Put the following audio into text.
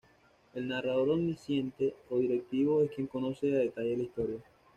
El narrador omnisciente o directivo es quien conoce a detalle la historia.